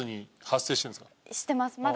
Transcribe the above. してます